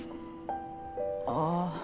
ああ。